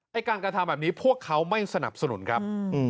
การกระทำแบบนี้พวกเขาไม่สนับสนุนครับ